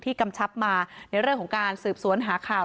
กำชับมาในเรื่องของการสืบสวนหาข่าว